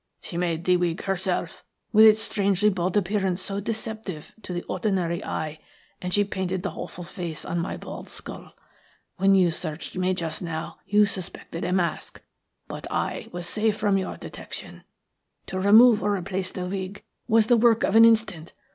She made the wig herself, with its strangely bald appearance so deceptive to the ordinary eye, and she painted the awful face on my bald skull. When you searched me just now you suspected a mask, but I was safe from your detection. To remove or replace the wig was the work of an instant.